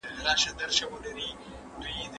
سپینه سپوږمۍ په دې سندره کې د مخاطب په توګه ده.